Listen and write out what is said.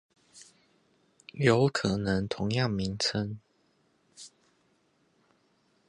有可能同樣名稱